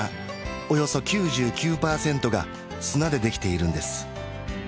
およそ９９％が砂でできているんです